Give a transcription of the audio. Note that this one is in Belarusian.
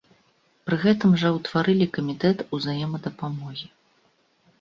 Пры гэтым жа ўтварылі камітэт узаемадапамогі.